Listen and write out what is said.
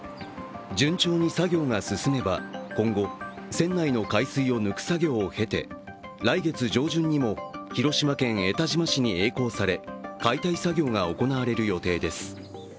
順調に作業が進めば、今後船内の海水を抜く作業を経て来月上旬にも広島県江田島市にえい航され解体作業が行われる見通しです。